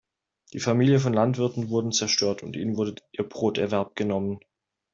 Die Familien von Landwirten wurden zerstört, und ihnen wurde ihr Broterwerb genommen.